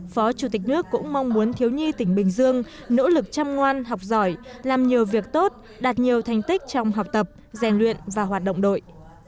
phó chủ tịch nước cũng mong muốn thiếu nhi tỉnh bình dương nỗ lực chăm ngoan học giỏi làm nhiều việc tốt đạt nhiều thành tích trong học tập rèn luyện và hoạt động đội